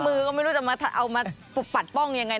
มือก็ไม่รู้จะเอามาปัดป้องยังไง